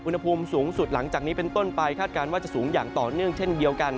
อุณหภูมิสูงสุดหลังจากนี้เป็นต้นไปคาดการณ์ว่าจะสูงอย่างต่อเนื่องเช่นเดียวกัน